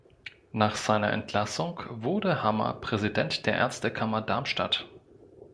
Nach seiner Entlassung wurde Hammer Präsident der Ärztekammer Darmstadt.